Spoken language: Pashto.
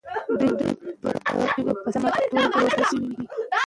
دوی به په سمه توګه لوستل سوي وي.